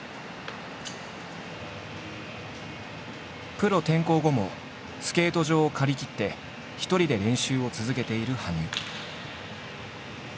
プロ転向後もスケート場を借り切って一人で練習を続けている羽生。